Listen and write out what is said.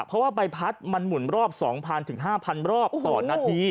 เพราะว่าใบพัดมันหมุนรอบ๒๐๐ถึง๕๐๐รอบต่อนาที